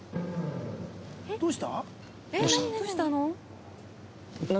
どうした？